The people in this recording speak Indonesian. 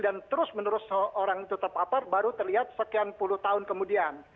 terus menerus orang itu terpapar baru terlihat sekian puluh tahun kemudian